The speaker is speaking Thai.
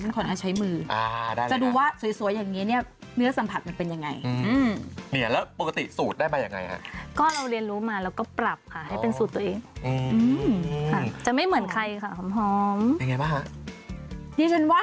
ควันเทียนด้วย